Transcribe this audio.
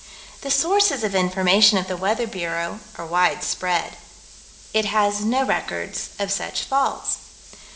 The sources of information of the Weather Bureau are widespread. It has no records of such falls.